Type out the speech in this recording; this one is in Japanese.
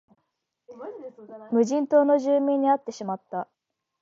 無人島の住民に会ってしまった